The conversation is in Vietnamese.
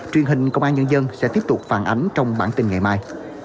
truyền hình công an nhân dân sẽ tiếp tục phản ánh trong bản tin ngày mai